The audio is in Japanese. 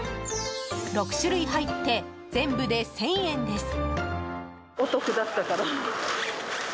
６種類入って全部で１０００円です。